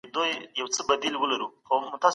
موږ د خپلو کالیو په مینځلو بوخت یو.